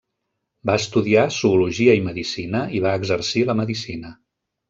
Va estudiar zoologia i medicina i va exercir la medicina.